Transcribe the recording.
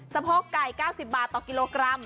โพกไก่๙๐บาทต่อกิโลกรัม